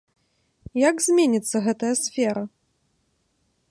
Як зменіцца гэтая сфера?